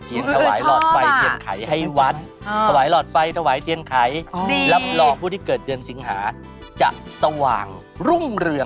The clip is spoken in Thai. เกี่ยวกับค่าไฟเติมน้ำมันตะเกียงเส